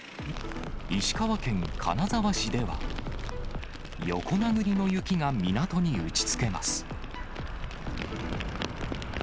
石川県金沢市では、横殴りの雪が港に打ちつけます。